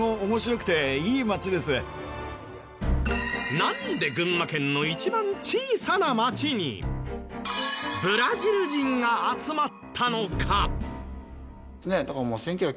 なんで群馬県の一番小さな町にブラジル人が集まったのか。